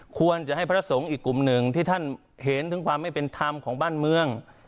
ควรจะให้พระสงฆ์อีกกลุ่มหนึ่งที่ท่านเห็นถึงความไม่เป็นธรรมของบ้านเมือง